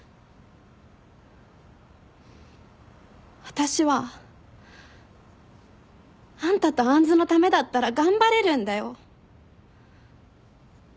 私はあんたと杏のためだったら頑張れるんだよ。